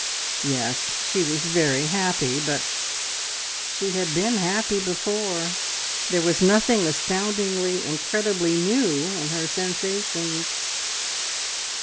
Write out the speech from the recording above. ... Yes, she was very happy, but ... she had been happy before, there was nothing astoundingly, incredibly new in her sensations.